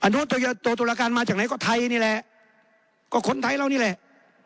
อนุญาโตตุลาการมาจากไทยนี่แหละก็คนไทยเรานี่แหละ